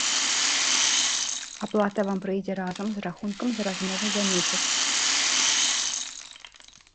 Аплата вам прыйдзе разам з рахункам за размовы за месяц.